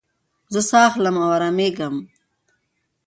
زه ساه اخلم او ارامېږم.